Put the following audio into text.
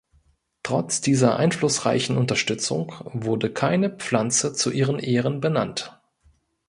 Trotz dieser einflussreichen Unterstützung wurde keine Pflanze zu ihren Ehren benannt.